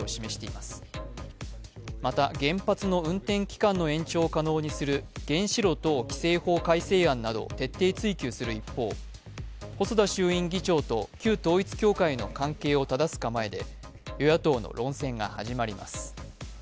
また原発の運転期間の延長を可能にする原子炉等規制法改正案など徹底追及する一方細田衆院議長と旧統一教会の関係をただす構えで与野党の論戦が始まります。